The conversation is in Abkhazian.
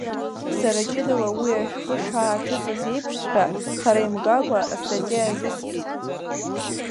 Сара ҷыдала уи ашәҟәы шааҭыҵыз еиԥшҵәҟьа, хара имгакәа, астатиа азыскит.